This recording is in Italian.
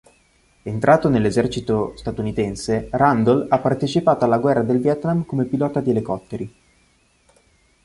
Entrato nell'Esercito statunitense, Randle ha partecipato alla Guerra del Vietnam come pilota di elicotteri.